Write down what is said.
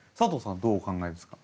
どうお考えですか？